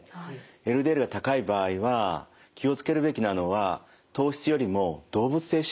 ＬＤＬが高い場合は気を付けるべきなのは糖質よりも動物性脂肪なんです。